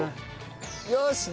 よし。